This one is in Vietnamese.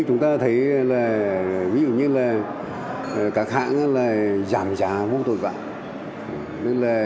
chúng ta thấy ví dụ như là các hãng giảm giá không tồi vãi